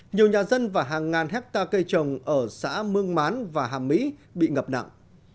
nhiều nhà dân và hàng ngàn hectare cây trồng ở xã mương mán và hàm mỹ bị ngập nặng